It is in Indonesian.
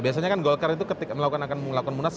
biasanya kan golkar itu ketika melakukan akun akun munas